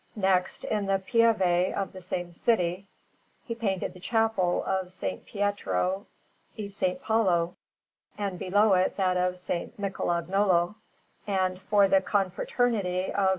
Next, in the Pieve of the same city, he painted the Chapel of S. Pietro e S. Paolo, and below it, that of S. Michelagnolo; and, for the Confraternity of S.